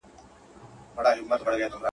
سپیني سپوږمۍ حال راته وایه.